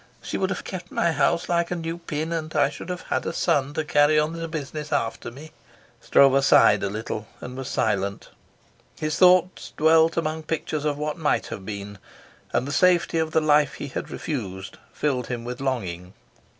She would have kept my house like a new pin, and I should have had a son to carry on the business after me." Stroeve sighed a little and was silent. His thoughts dwelt among pictures of what might have been, and the safety of the life he had refused filled him with longing.